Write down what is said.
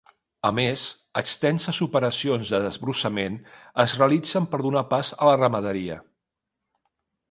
A més, extenses operacions de desbrossament es realitzen per donar pas a la ramaderia.